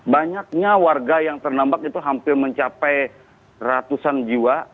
banyaknya warga yang terdampak itu hampir mencapai ratusan jiwa